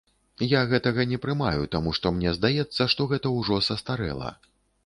Я гэтага не прымаю, таму што мне здаецца, што гэта ўжо састарэла.